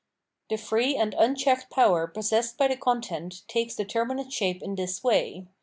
The free and unchecked power possessed by the content takes determinate shape in this way.